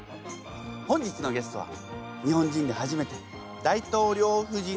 本日のゲストは日本人で初めて大統領夫人になったこの方！